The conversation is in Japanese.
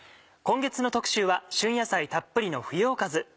今月の特集は旬野菜たっぷりの冬おかず。